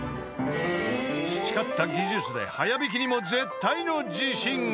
［培った技術で速弾きにも絶対の自信が］